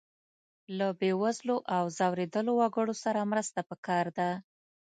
له بې وزلو او ځورېدلو وګړو سره مرسته پکار ده.